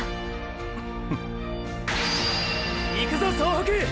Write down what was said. いくぞ総北！！